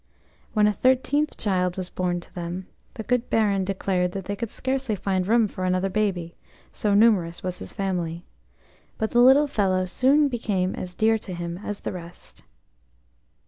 When a thirteenth child was born to them, the good Baron declared that they could scarcely find room for another baby, so numerous was his family; but the little fellow soon became as dear to him as the rest.